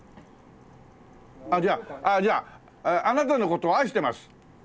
じゃあじゃあ「あなたの事を愛してます」。